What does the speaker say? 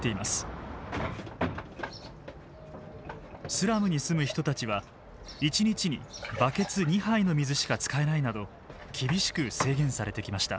スラムに住む人たちは１日にバケツ２杯の水しか使えないなど厳しく制限されてきました。